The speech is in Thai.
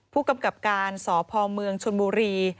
ผู้กำกับการสพเมืองชนบุรี